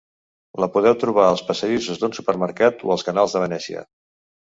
La podeu trobar als passadissos d'un supermercat o als canals de Venècia.